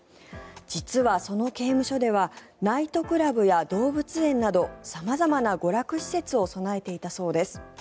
実は、その刑務所ではナイトクラブや動物園など様々な娯楽施設を備えていたそうです。